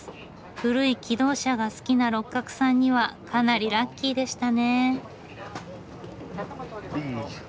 古い気動車が好きな六角さんにはかなりラッキーでしたね。